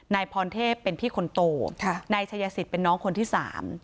นายพรเทพเป็นพี่คนโตค่ะนายชายสิทธิ์เป็นน้องคนที่สาม